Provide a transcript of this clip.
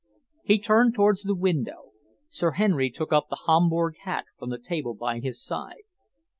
He turned towards the window. Sir Henry took up the Homburg hat from the table by his side.